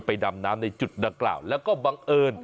ไปดำน้ำในจุดนาคระแล้วก็บังเอิญ